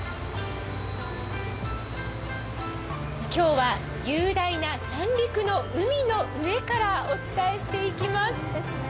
今日は雄大な三陸の海の上からお伝えしていきます。